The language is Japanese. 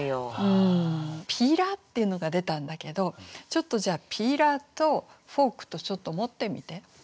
ピーラーっていうのが出たんだけどじゃあピーラーとフォークとちょっと持ってみて。